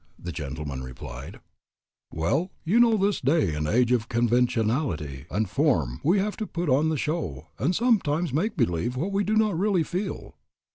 The gentleman replied, "Well, you know in this day and age of conventionality and form we have to put on the show and sometimes make believe what we do not really feel."